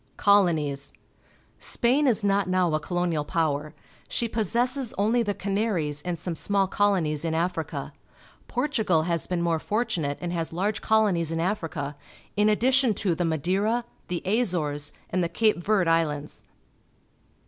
Colonies. — Spain is not now a colonial power. She possesses only the Canaries and some small colonies in Africa. Portugal has been more fortunate and has large colonies in Africa, in addition to the Madeira, the Azores, and the Cape Verde Islands.